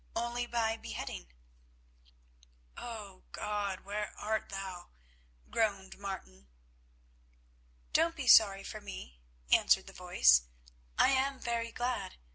Only by beheading." "Oh! God, where art Thou?" groaned Martin. "Don't be sorry for me," answered the voice, "I am very glad.